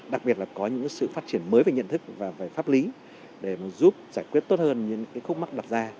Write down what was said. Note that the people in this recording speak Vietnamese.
đặc biệt là có những sự phát triển mới về nhận thức và về pháp lý để giúp giải quyết tốt hơn những khúc mắt đặt ra